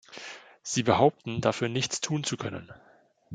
Sie behaupten, dafür nichts tun zu können.